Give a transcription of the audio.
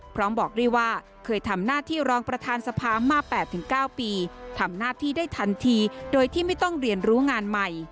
บอกด้วยว่าเคยทำหน้าที่รองประธานสภามา๘๙ปีทำหน้าที่ได้ทันทีโดยที่ไม่ต้องเรียนรู้งานใหม่